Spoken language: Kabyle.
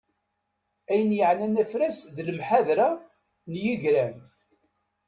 Ayen yeɛnan afras d lemḥadra n yigran.